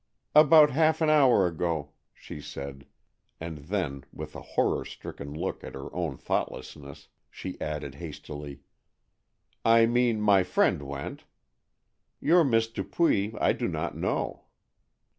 "About half an hour ago," she said, and then, with a horror stricken look at her own thoughtlessness, she added hastily, "I mean my friend went. Your Miss Dupuy I do not know."